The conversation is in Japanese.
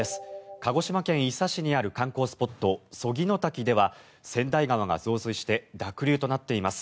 鹿児島県伊佐市にある観光スポット、曽木の滝では川内川が増水して濁流となっています。